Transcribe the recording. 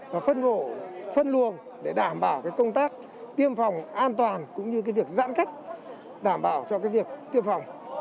và phân bổ phân luồng để đảm bảo cái công tác tiêm phòng an toàn cũng như cái việc giãn cách đảm bảo cho cái việc tiêm phòng